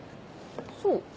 そう？